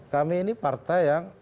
kami ini partai yang